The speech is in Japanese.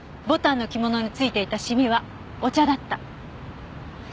牡丹の着物についていたシミはお茶だった。